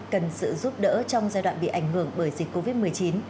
cần sự giúp đỡ trong giai đoạn bị ảnh hưởng bởi dịch covid một mươi chín